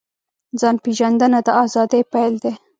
ځان پېژندنه د ازادۍ پیل دی.